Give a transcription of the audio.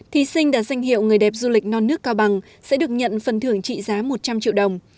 thí sinh đạt danh hiệu người đẹp du lịch non nước cao bằng sẽ được nhận phần thưởng trị giá một trăm linh triệu đồng